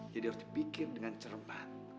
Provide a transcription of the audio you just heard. jadi harus dipikir dengan cerman